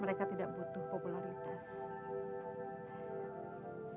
mereka tidak butuh popularitas